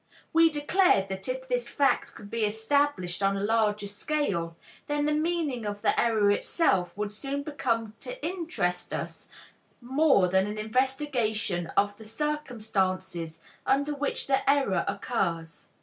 We declared that if this fact could be established on a larger scale, then the meaning of the error itself would soon come to interest us more than an investigation of the circumstances under which the error occurs.